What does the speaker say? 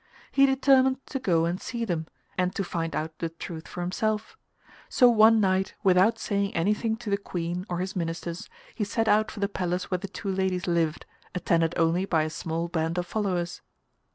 He determined to go and see them, and to find out the truth for himself; so one night, without saying anything to the Queen or his ministers, he set out for the palace where the two ladies lived, attended only by a small band of followers.